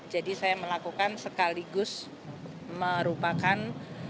jadi saya melakukan sekaligus merupakan